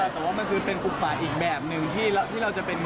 แต่มันเป็นปลูกป่าอีกแบบนึงที่เราจะ